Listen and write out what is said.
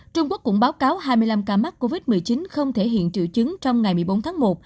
trung quốc cũng báo cáo hai mươi năm ca mắc covid một mươi chín không thể hiện triệu chứng trong ngày một mươi bốn tháng một